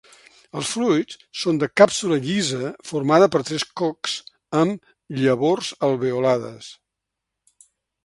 Els fruits són de càpsula llisa formada per tres cocs amb llavors alveolades.